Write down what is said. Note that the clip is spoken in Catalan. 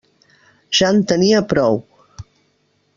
Ja en tenia prou.